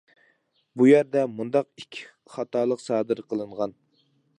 بۇ يەردە مۇنداق ئىككى خاتالىق سادىر قىلىنغان.